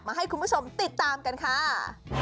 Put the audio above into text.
ให้คุณผู้ชมติดตามกันค่ะ